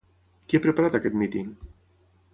Qui ha preparat aquest míting?